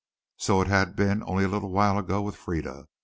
So had it been only a little while ago with Frieda.